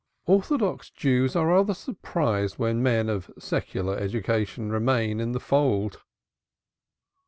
Orthodox Jews are rather surprised when men of (secular) education remain in the fold.